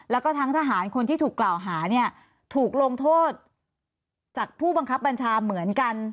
แล้วก็ทั้งทหารคนที่ถูกกล่าวหาเนี่ยถูกลงโทษจากผู้บังคับบัญชาเหมือนกัน